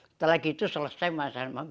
setelah itu selesai masalah